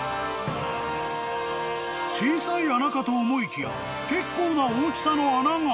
［小さい穴かと思いきや結構な大きさの穴が］